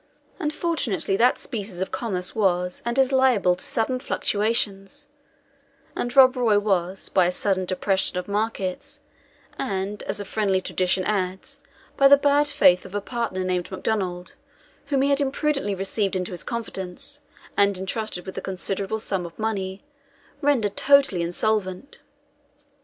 Unfortunately that species of commerce was and is liable to sudden fluctuations; and Rob Roy was, by a sudden depression of markets, and, as a friendly tradition adds, by the bad faith of a partner named MacDonald, whom he had imprudently received into his confidence, and intrusted with a considerable sum of money, rendered totally insolvent.